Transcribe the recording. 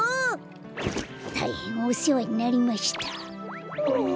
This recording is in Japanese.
たいへんおせわになりました。